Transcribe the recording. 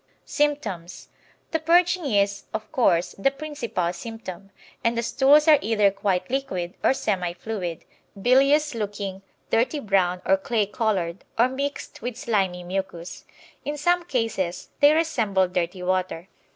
Symptoms The purging is, of course, the principal symptom, and the stools are either quite liquid or semi fluid, bilious looking, dirty brown or clay coloured, or mixed with slimy mucus. In some cases they resemble dirty water.